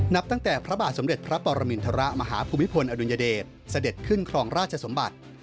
นับตั้งแต่พระบาทสมเด็จพระปรมินทรมาฮภูมิพลอดุลยเดชเสด็จขึ้นครองราชสมบัติ